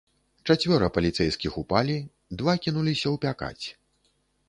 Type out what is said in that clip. Чацвёра паліцэйскіх упалі, два кінуліся ўпякаць.